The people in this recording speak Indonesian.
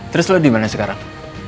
terus lo dimana sekarang